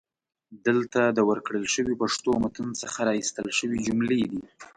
دلته د ورکړل شوي پښتو متن څخه را ایستل شوي جملې دي: